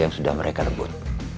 yang sudah mereka rebut